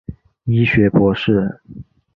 医学博士。